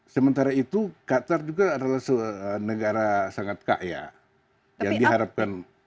sementara itu qatar juga adalah negara sangat kaya yang diharapkan